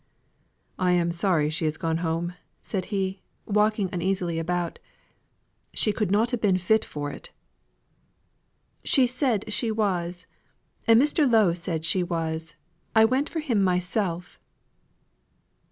"I am sorry she has gone home," said he, walking uneasily about. "She could not have been fit for it." "She said she was; and Mr. Lowe said she was. I went for him myself."